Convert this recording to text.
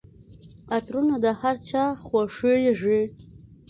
عطرونه د هرچا خوښیږي.